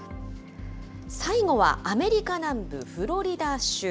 最後はアメリカ南部フロリダ州。